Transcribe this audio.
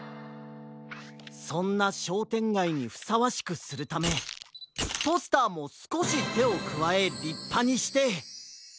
そんなしょうてんがいにふさわしくするためポスターもすこしてをくわえりっぱにして。